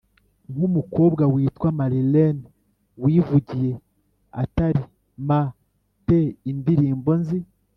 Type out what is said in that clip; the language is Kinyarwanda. nk umukobwa witwa Marlene wivugiye ati m te indirimbo nzi